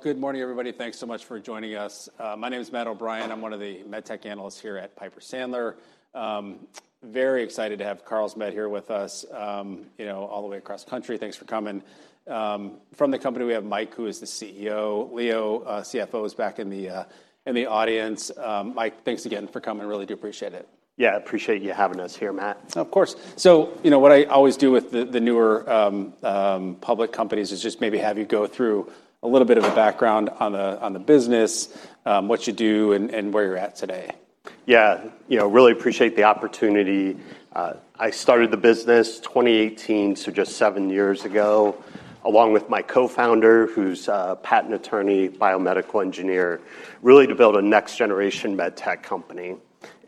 Good morning, everybody. Thanks so much for joining us. My name is Matt O'Brien. I'm one of the med tech analysts here at Piper Sandler. Very excited to have Carlsmed here with us, you know, all the way across the country. Thanks for coming. From the company, we have Mike, who is the CEO. Leo, CFO, is back in the audience. Mike, thanks again for coming. Really do appreciate it. Yeah, appreciate you having us here, Matt. Of course, so you know, what I always do with the newer public companies is just maybe have you go through a little bit of a background on the business, what you do, and where you're at today. Yeah, you know, really appreciate the opportunity. I started the business 2018, so just seven years ago, along with my co-founder, who's a patent attorney, biomedical engineer, really to build a next-generation med tech company.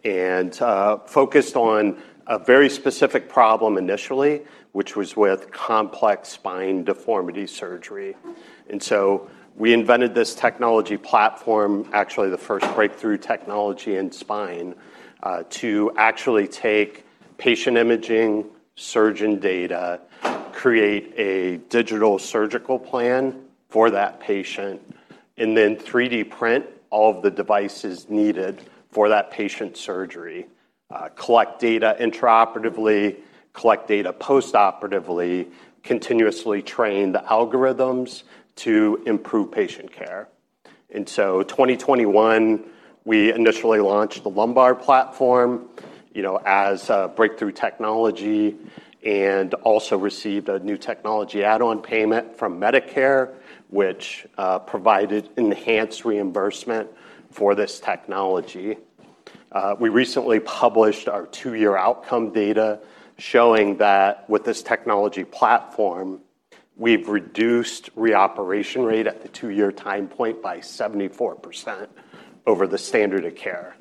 And focused on a very specific problem initially, which was with complex spine deformity surgery. And so we invented this technology platform, actually the first breakthrough technology in spine, to actually take patient imaging, surgeon data, create a digital surgical plan for that patient, and then 3D print all of the devices needed for that patient surgery, collect data intraoperatively, collect data postoperatively, continuously train the algorithms to improve patient care. And so 2021, we initially launched the lumbar platform, you know, as a breakthrough technology, and also received a new technology add-on payment from Medicare, which provided enhanced reimbursement for this technology. We recently published our two-year outcome data showing that with this technology platform, we've reduced reoperation rate at the two-year time point by 74% over the standard of care,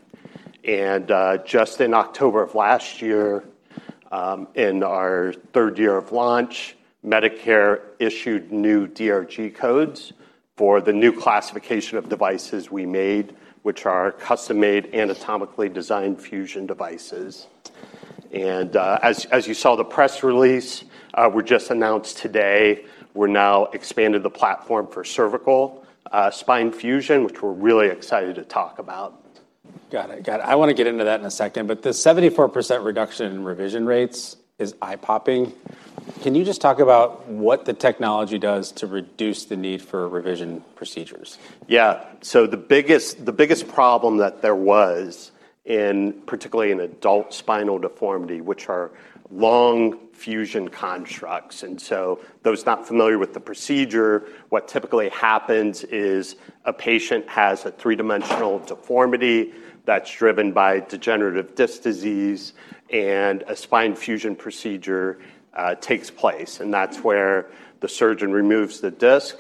and just in October of last year, in our third year of launch, Medicare issued new DRG codes for the new classification of devices we made, which are custom-made, anatomically designed fusion devices, and as you saw the press release, we're just announced today, we're now expanding the platform for cervical spine fusion, which we're really excited to talk about. Got it. Got it. I want to get into that in a second, but the 74% reduction in revision rates is eye-popping. Can you just talk about what the technology does to reduce the need for revision procedures? Yeah, so the biggest problem that there was, particularly in adult spinal deformity, which are long fusion constructs, and so those not familiar with the procedure, what typically happens is a patient has a three-dimensional deformity that's driven by degenerative disc disease, and a spine fusion procedure takes place, and that's where the surgeon removes the disc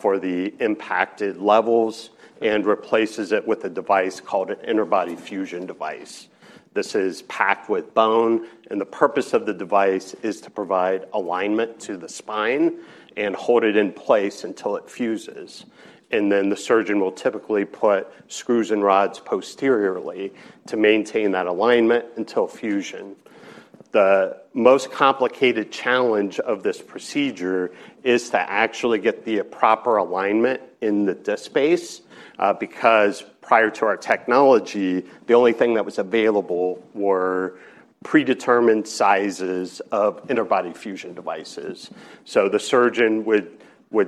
for the impacted levels and replaces it with a device called an interbody fusion device. This is packed with bone, and the purpose of the device is to provide alignment to the spine and hold it in place until it fuses, and then the surgeon will typically put screws and rods posteriorly to maintain that alignment until fusion. The most complicated challenge of this procedure is to actually get the proper alignment in the disc space, because prior to our technology, the only thing that was available were predetermined sizes of interbody fusion devices. So the surgeon would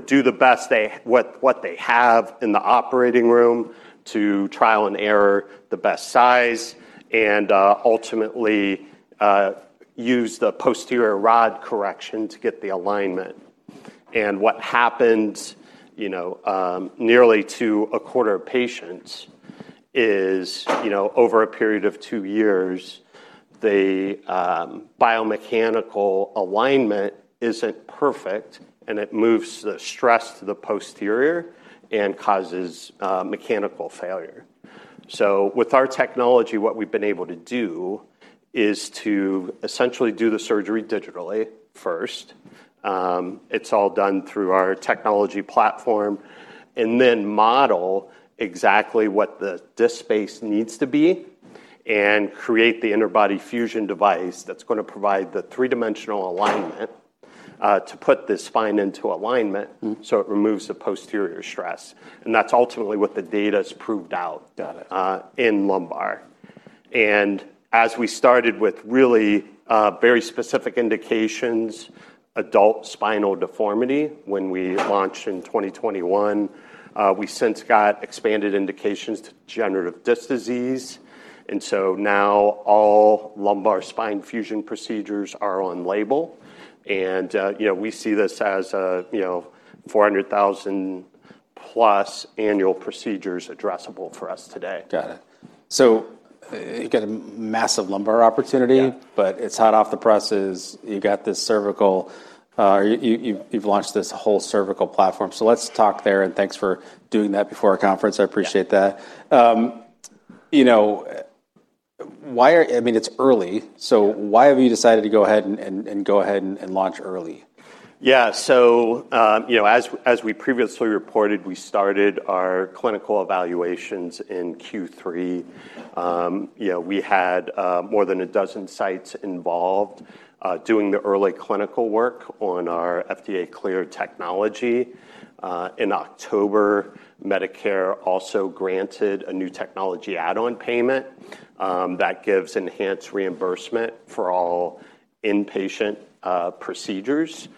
do the best what they have in the operating room to trial and error the best size, and ultimately use the posterior rod correction to get the alignment. And what happens, you know, nearly a quarter of patients is, you know, over a period of two years, the biomechanical alignment isn't perfect, and it moves the stress to the posterior and causes mechanical failure. So with our technology, what we've been able to do is to essentially do the surgery digitally first. It's all done through our technology platform, and then model exactly what the disc space needs to be, and create the interbody fusion device that's going to provide the three-dimensional alignment to put the spine into alignment, so it removes the posterior stress. And that's ultimately what the data has proved out in lumbar. And as we started with really very specific indications, adult spinal deformity, when we launched in 2021, we since got expanded indications to degenerative disc disease. And so now all lumbar spine fusion procedures are on label. And, you know, we see this as, you know, 400,000 plus annual procedures addressable for us today. Got it. So you got a massive lumbar opportunity, but it's hot off the presses. You got this cervical, you've launched this whole cervical platform. So let's talk there, and thanks for doing that before our conference. I appreciate that. You know, I mean, it's early, so why have you decided to go ahead and launch early? Yeah. So, you know, as we previously reported, we started our clinical evaluations in Q3. You know, we had more than a dozen sites involved doing the early clinical work on our FDA-cleared technology. In October, Medicare also granted a New Technology Add-on Payment that gives enhanced reimbursement for all inpatient procedures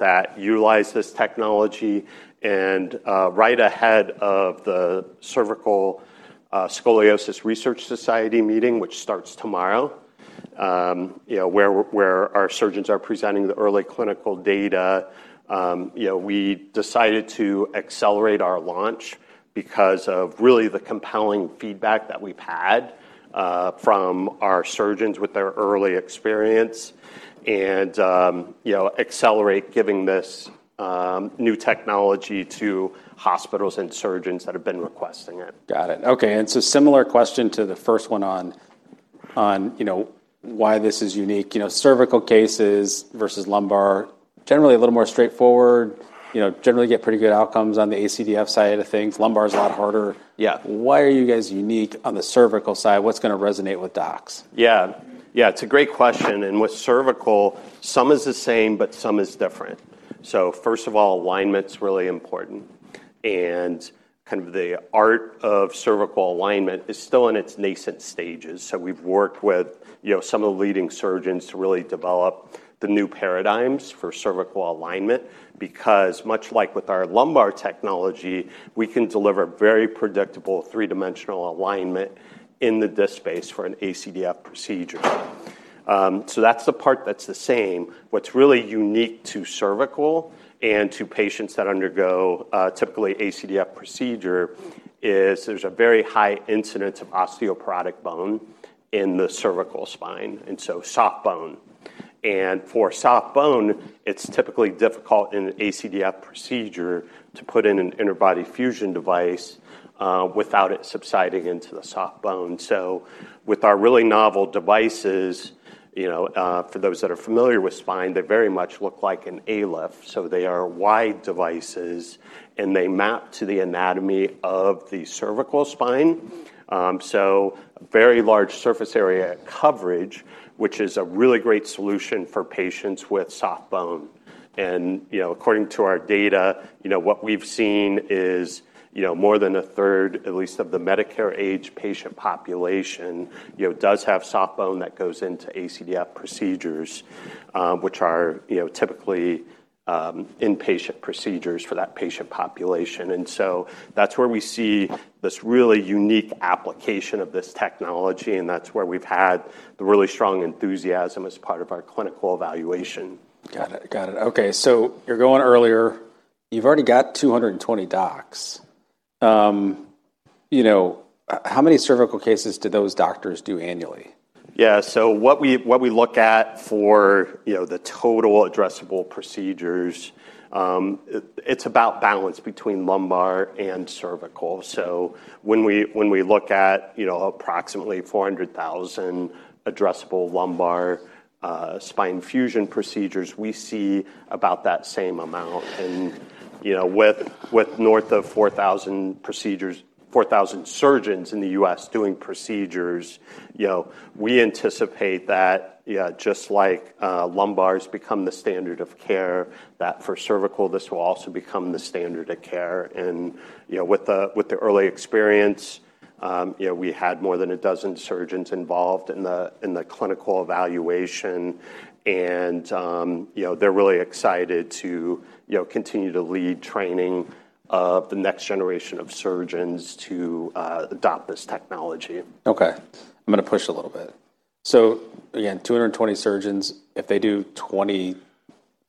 that utilize this technology. And right ahead of the Cervical Spine Research Society meeting, which starts tomorrow, you know, where our surgeons are presenting the early clinical data, you know, we decided to accelerate our launch because of really the compelling feedback that we've had from our surgeons with their early experience, and, you know, accelerate giving this new technology to hospitals and surgeons that have been requesting it. Got it. Okay. And so, similar question to the first one on, you know, why this is unique. You know, cervical cases versus lumbar, generally a little more straightforward, you know, generally get pretty good outcomes on the ACDF side of things. Lumbar is a lot harder. Yeah. Why are you guys unique on the cervical side? What's going to resonate with docs? Yeah. Yeah, it's a great question, and with cervical, some is the same, but some is different. First of all, alignment's really important, and kind of the art of cervical alignment is still in its nascent stages. We've worked with, you know, some of the leading surgeons to really develop the new paradigms for cervical alignment, because much like with our lumbar technology, we can deliver very predictable three-dimensional alignment in the disc space for an ACDF procedure. That's the part that's the same. What's really unique to cervical and to patients that undergo typically ACDF procedure is there's a very high incidence of osteoporotic bone in the cervical spine, and so soft bone. For soft bone, it's typically difficult in an ACDF procedure to put in an interbody fusion device without it subsiding into the soft bone. So with our really novel devices, you know, for those that are familiar with spine, they very much look like an ALIF. So they are wide devices, and they map to the anatomy of the cervical spine. So very large surface area coverage, which is a really great solution for patients with soft bone. And, you know, according to our data, you know, what we've seen is, you know, more than a third, at least, of the Medicare-age patient population, you know, does have soft bone that goes into ACDF procedures, which are, you know, typically inpatient procedures for that patient population. And so that's where we see this really unique application of this technology, and that's where we've had the really strong enthusiasm as part of our clinical evaluation. Got it. Got it. Okay. So you're going earlier. You've already got 220 docs. You know, how many cervical cases do those doctors do annually? Yeah, so what we look at for, you know, the total addressable procedures, it's about balance between lumbar and cervical, so when we look at, you know, approximately 400,000 addressable lumbar spine fusion procedures, we see about that same amount, and, you know, with north of 4,000 procedures, 4,000 surgeons in the U.S. doing procedures, you know, we anticipate that, yeah, just like lumbar has become the standard of care, that for cervical, this will also become the standard of care, and, you know, with the early experience, you know, we had more than a dozen surgeons involved in the clinical evaluation, and, you know, they're really excited to, you know, continue to lead training of the next generation of surgeons to adopt this technology. Okay. I'm going to push a little bit. So again, 220 surgeons, if they do 20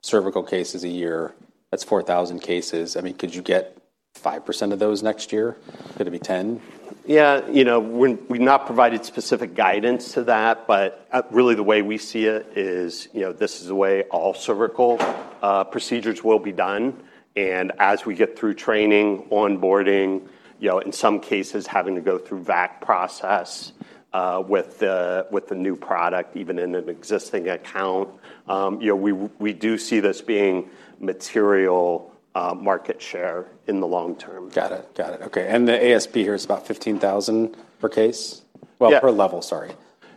cervical cases a year, that's 4,000 cases. I mean, could you get 5% of those next year? Could it be 10? Yeah. You know, we've not provided specific guidance to that, but really the way we see it is, you know, this is the way all cervical procedures will be done. And as we get through training, onboarding, you know, in some cases having to go through VAC process with the new product, even in an existing account, you know, we do see this being material market share in the long term. Got it. Okay. And the ASP here is about $15,000 per case? Well, per level, sorry.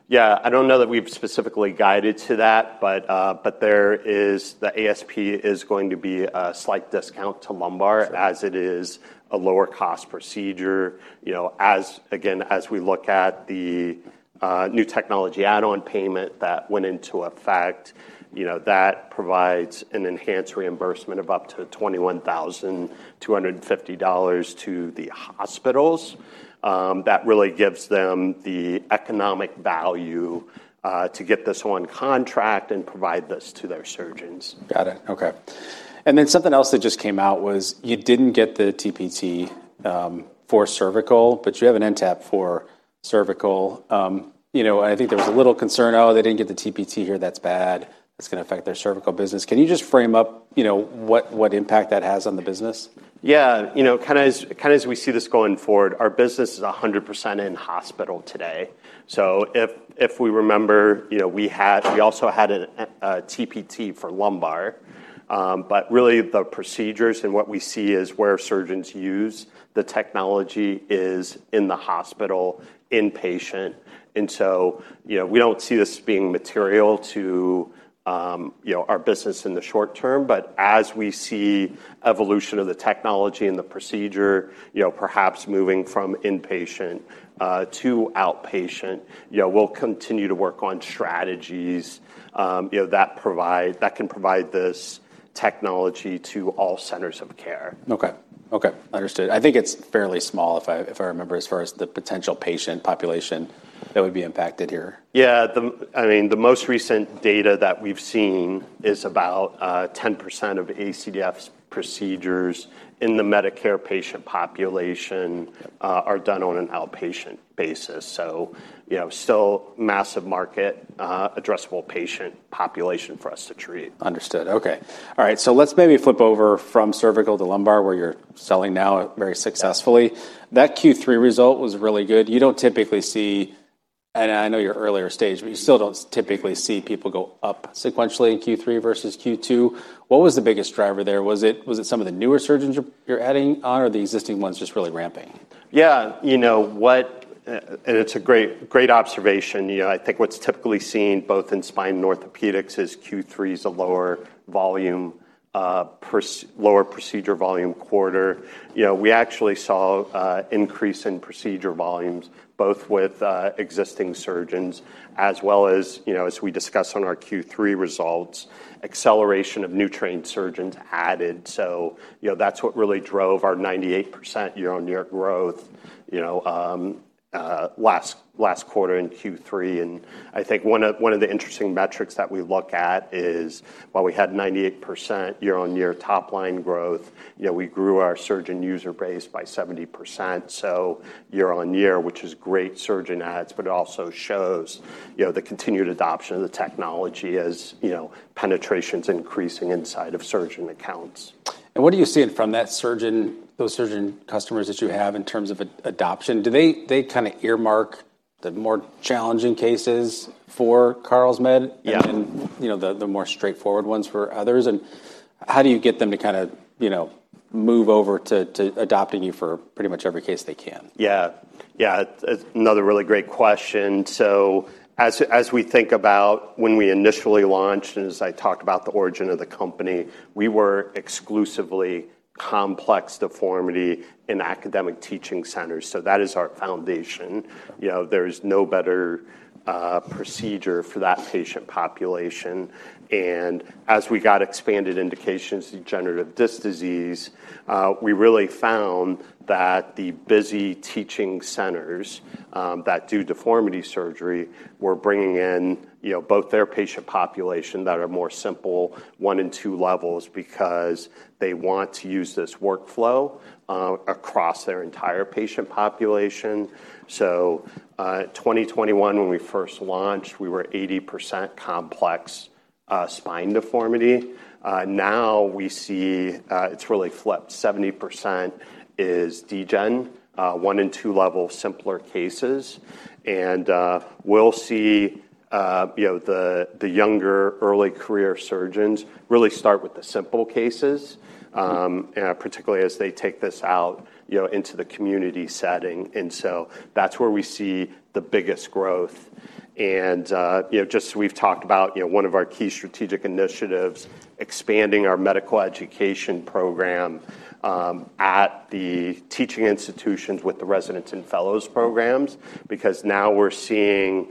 Yeah. I don't know that we've specifically guided to that, but there is, the ASP is going to be a slight discount to lumbar as it is a lower-cost procedure. You know, again, as we look at the New Technology Add-on Payment that went into effect, you know, that provides an enhanced reimbursement of up to $21,250 to the hospitals. That really gives them the economic value to get this one contract and provide this to their surgeons. Got it. Okay. And then something else that just came out was you didn't get the TPT for cervical, but you have an NTAP for cervical. You know, I think there was a little concern, "Oh, they didn't get the TPT here. That's bad. That's going to affect their cervical business." Can you just frame up, you know, what impact that has on the business? Yeah. You know, kind of as we see this going forward, our business is 100% in hospital today, so if we remember, you know, we also had a TPT for lumbar, but really the procedures and what we see is where surgeons use the technology is in the hospital, inpatient, and so, you know, we don't see this being material to, you know, our business in the short term, but as we see evolution of the technology and the procedure, you know, perhaps moving from inpatient to outpatient, you know, we'll continue to work on strategies, you know, that can provide this technology to all centers of care. Okay. Okay. Understood. I think it's fairly small, if I remember, as far as the potential patient population that would be impacted here. Yeah. I mean, the most recent data that we've seen is about 10% of ACDF procedures in the Medicare patient population are done on an outpatient basis. So, you know, still massive market, addressable patient population for us to treat. Understood. Okay. All right. So let's maybe flip over from cervical to lumbar where you're selling now very successfully. That Q3 result was really good. You don't typically see, and I know you're earlier stage, but you still don't typically see people go up sequentially in Q3 versus Q2. What was the biggest driver there? Was it some of the newer surgeons you're adding on or the existing ones just really ramping? Yeah. You know what, and it's a great observation, you know. I think what's typically seen both in spine and orthopedics is Q3 is a lower volume, lower procedure volume quarter. You know, we actually saw an increase in procedure volumes both with existing surgeons as well as, you know, as we discussed on our Q3 results, acceleration of new trained surgeons added. So, you know, that's what really drove our 98% year-on-year growth, you know, last quarter in Q3. And I think one of the interesting metrics that we look at is while we had 98% year-on-year top-line growth, you know, we grew our surgeon user base by 70%. So year-on-year, which is great surgeon adds, but it also shows, you know, the continued adoption of the technology as, you know, penetrations increasing inside of surgeon accounts. What are you seeing from those surgeon customers that you have in terms of adoption? Do they kind of earmark the more challenging cases for Carlsmed and, you know, the more straightforward ones for others? How do you get them to kind of, you know, move over to adopting you for pretty much every case they can? Yeah. Yeah. It's another really great question. So as we think about when we initially launched, and as I talked about the origin of the company, we were exclusively complex deformity in academic teaching centers. So that is our foundation. You know, there is no better procedure for that patient population. And as we got expanded indications of degenerative disc disease, we really found that the busy teaching centers that do deformity surgery were bringing in, you know, both their patient population that are more simple one and two levels because they want to use this workflow across their entire patient population. So 2021, when we first launched, we were 80% complex spine deformity. Now we see it's really flipped. 70% is DGEN, one and two level simpler cases. We'll see, you know, the younger early career surgeons really start with the simple cases, particularly as they take this out, you know, into the community setting. That's where we see the biggest growth. You know, just as we've talked about, you know, one of our key strategic initiatives, expanding our medical education program at the teaching institutions with the residents and fellows programs, because now we're seeing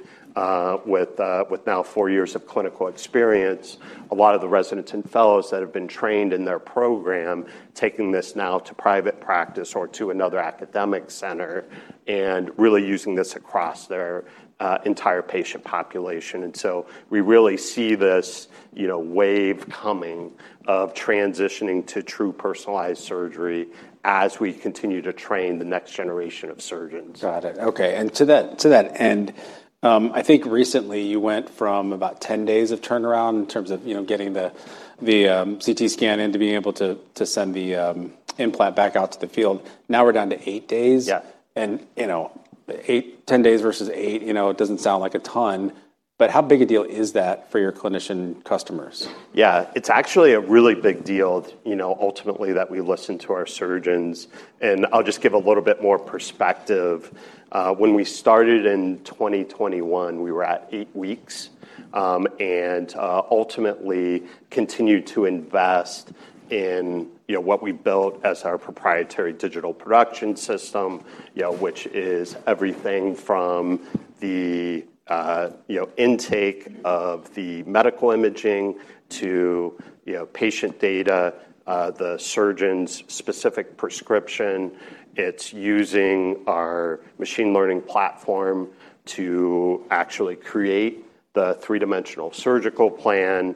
with now four years of clinical experience, a lot of the residents and fellows that have been trained in their program taking this now to private practice or to another academic center and really using this across their entire patient population. We really see this, you know, wave coming of transitioning to true personalized surgery as we continue to train the next generation of surgeons. Got it. Okay, and to that end, I think recently you went from about 10 days of turnaround in terms of, you know, getting the CT scan in to being able to send the implant back out to the field. Now we're down to eight days. Yeah. You know, eight, 10 days versus eight, you know, it doesn't sound like a ton, but how big a deal is that for your clinician customers? Yeah. It's actually a really big deal, you know, ultimately that we listen to our surgeons. And I'll just give a little bit more perspective. When we started in 2021, we were at eight weeks and ultimately continued to invest in, you know, what we built as our proprietary digital production system, you know, which is everything from the, you know, intake of the medical imaging to, you know, patient data, the surgeon's specific prescription. It's using our machine learning platform to actually create the three-dimensional surgical plan.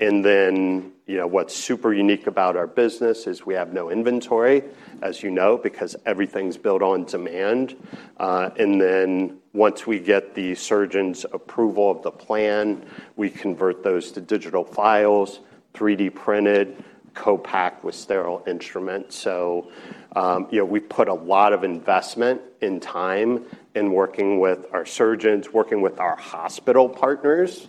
And then, you know, what's super unique about our business is we have no inventory, as you know, because everything's built on demand. And then once we get the surgeon's approval of the plan, we convert those to digital files, 3D printed, co-packed with sterile instruments. So, you know, we put a lot of investment in time in working with our surgeons, working with our hospital partners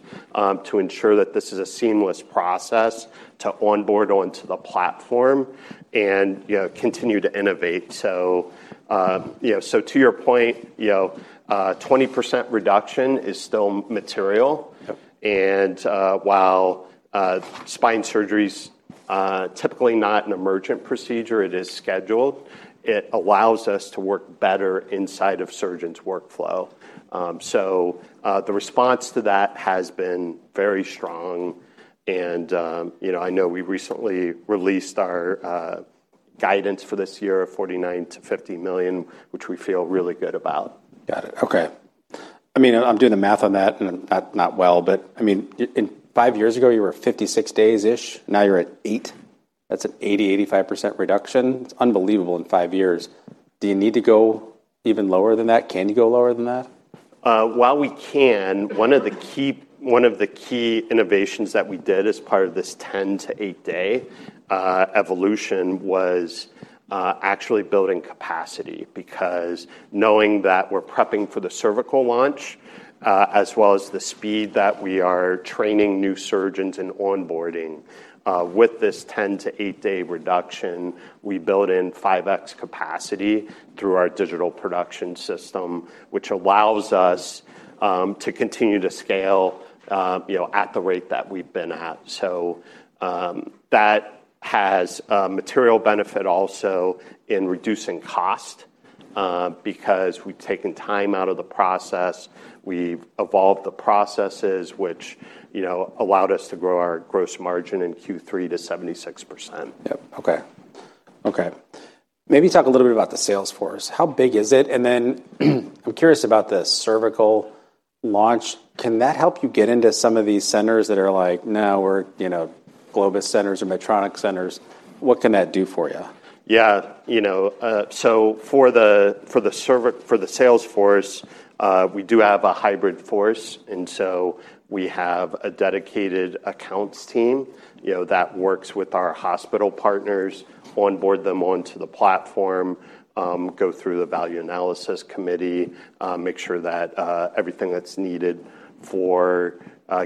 to ensure that this is a seamless process to onboard onto the platform and, you know, continue to innovate. So, you know, so to your point, you know, 20% reduction is still material. And while spine surgery is typically not an emergent procedure, it is scheduled, it allows us to work better inside of surgeons' workflow. So the response to that has been very strong. And, you know, I know we recently released our guidance for this year of $49 million-$50 million, which we feel really good about. Got it. Okay. I mean, I'm doing the math on that, and I'm not well, but I mean, five years ago, you were 56 days-ish. Now you're at eight. That's an 80%-85% reduction. It's unbelievable in five years. Do you need to go even lower than that? Can you go lower than that? While we can, one of the key innovations that we did as part of this 10- to 8-day evolution was actually building capacity because, knowing that we're prepping for the cervical launch as well as the speed that we are training new surgeons and onboarding, with this 10- to 8-day reduction, we built in 5X capacity through our digital production system, which allows us to continue to scale, you know, at the rate that we've been at. So that has a material benefit also in reducing cost because we've taken time out of the process. We've evolved the processes, which, you know, allowed us to grow our gross margin in Q3 to 76%. Yep. Okay. Okay. Maybe talk a little bit about the sales force. How big is it? And then I'm curious about the cervical launch. Can that help you get into some of these centers that are like, "No, we're, you know, Globus centers or Medtronic centers"? What can that do for you? Yeah. You know, so for the sales force, we do have a hybrid force. And so we have a dedicated accounts team, you know, that works with our hospital partners, onboard them onto the platform, go through the value analysis committee, make sure that everything that's needed for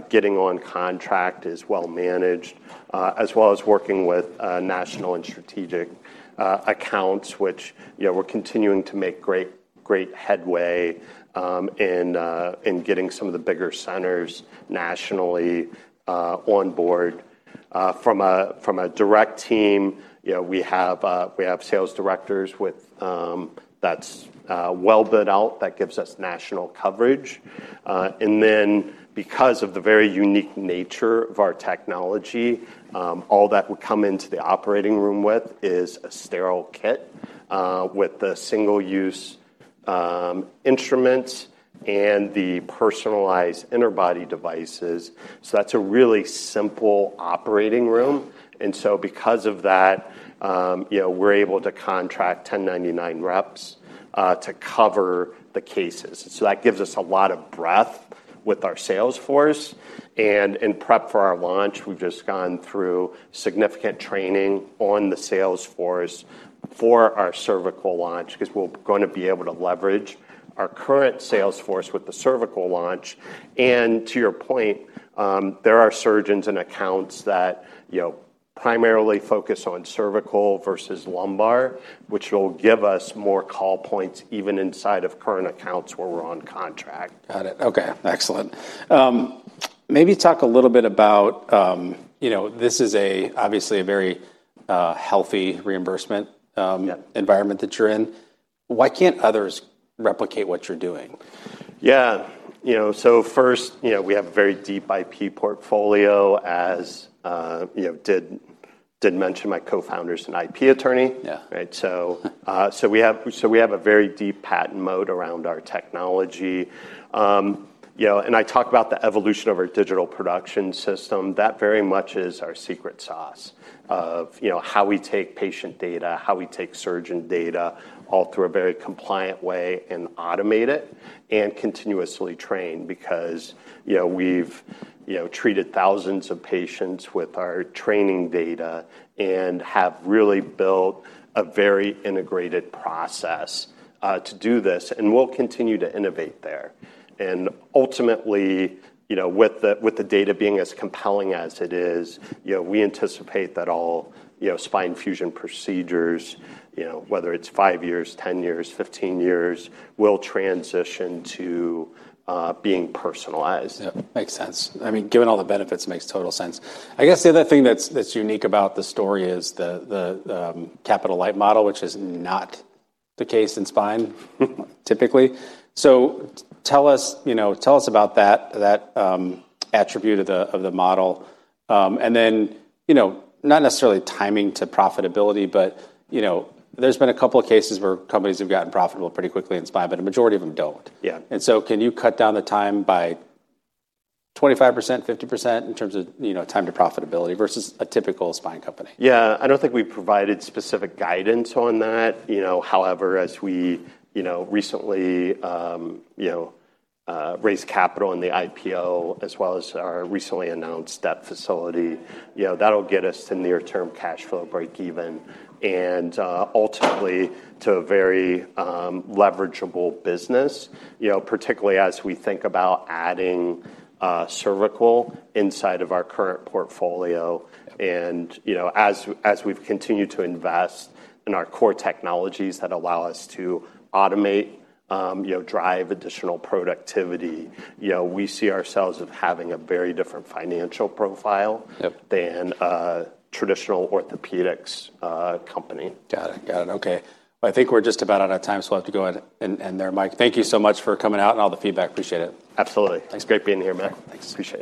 getting on contract is well managed, as well as working with national and strategic accounts, which, you know, we're continuing to make great headway in getting some of the bigger centers nationally onboard. From a direct team, you know, we have sales directors that's well built out that gives us national coverage. And then because of the very unique nature of our technology, all that would come into the operating room with is a sterile kit with the single-use instruments and the personalized interbody devices. So that's a really simple operating room. And so because of that, you know, we're able to contract 1099 reps to cover the cases. And so that gives us a lot of breadth with our sales force. And in prep for our launch, we've just gone through significant training on the sales force for our cervical launch because we're going to be able to leverage our current sales force with the cervical launch. And to your point, there are surgeons and accounts that, you know, primarily focus on cervical versus lumbar, which will give us more call points even inside of current accounts where we're on contract. Got it. Okay. Excellent. Maybe talk a little bit about, you know, this is obviously a very healthy reimbursement environment that you're in. Why can't others replicate what you're doing? Yeah. You know, so first, you know, we have a very deep IP portfolio, as, you know, did mention my co-founder's an IP attorney. Yeah. Right? So we have a very deep patent moat around our technology. You know, and I talk about the evolution of our Digital production system. That very much is our secret sauce of, you know, how we take patient data, how we take surgeon data all through a very compliant way and automate it and continuously train because, you know, we've, you know, treated thousands of patients with our training data and have really built a very integrated process to do this. And we'll continue to innovate there. And ultimately, you know, with the data being as compelling as it is, you know, we anticipate that all, you know, spine fusion procedures, you know, whether it's five years, 10 years, 15 years, will transition to being personalized. Yeah. Makes sense. I mean, given all the benefits, it makes total sense. I guess the other thing that's unique about the story is the capital light model, which is not the case in spine typically. So tell us, you know, tell us about that attribute of the model. And then, you know, not necessarily timing to profitability, but, you know, there's been a couple of cases where companies have gotten profitable pretty quickly in spine, but a majority of them don't. Yeah. And so can you cut down the time by 25%, 50% in terms of, you know, time to profitability versus a typical spine company? Yeah. I don't think we provided specific guidance on that. You know, however, as we, you know, recently, you know, raised capital in the IPO as well as our recently announced debt facility, you know, that'll get us to near-term cash flow break-even and ultimately to a very leverageable business, you know, particularly as we think about adding cervical inside of our current portfolio, and you know, as we've continued to invest in our core technologies that allow us to automate, you know, drive additional productivity, you know, we see ourselves as having a very different financial profile than a traditional orthopedics company. Got it. Got it. Okay. I think we're just about out of time, so I have to go in there, Mike. Thank you so much for coming out and all the feedback. Appreciate it. Absolutely. Thanks. It's great being here, Mike. Thanks.